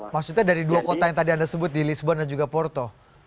maksudnya dari dua kota yang tadi anda sebut di lisbon dan juga porto